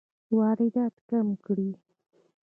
واردات کم کړئ